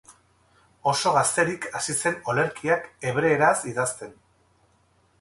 Oso gazterik hasi zen olerkiak hebreeraz idazten.